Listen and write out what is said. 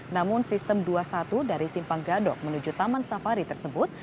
namun sistem dua puluh satu dari simpang gadok menuju taman safari tersebut